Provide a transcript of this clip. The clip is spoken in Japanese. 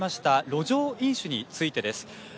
路上飲酒についてです。